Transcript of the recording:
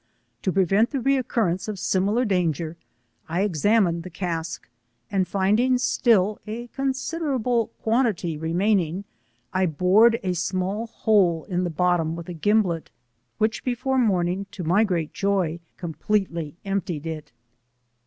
To prevent the recurrence of similar danger, I examined the cask, and finding still ^a considerable quantity remaining, I bored ft small hole to the bottom with a gimblet, which before morning to my great joy completely emp* tied it.